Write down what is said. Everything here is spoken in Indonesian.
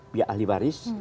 pihak ahli waris